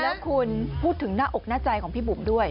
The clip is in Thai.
แล้วคุณพูดถึงหน้าอกหน้าใจของพี่บุ๋มด้วย